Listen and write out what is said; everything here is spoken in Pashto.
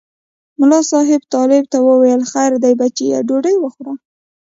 ملا صاحب طالب ته وویل خیر دی بچیه ډوډۍ وخوره.